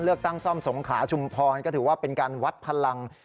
เลือกตั้งซ่อมสงขาชุมพรก็ถือว่าเป็นการวัดพลัง